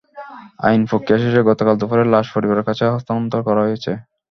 আইনি প্রক্রিয়া শেষে গতকাল দুপুরেই লাশ পরিবারের কাছে হস্তান্তর করা হয়েছে।